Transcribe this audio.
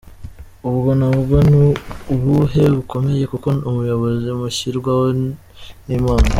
Ubwo nabwo ni ubuyobe bukomeye kuko ubuyobozi bushyirwaho n’Imana.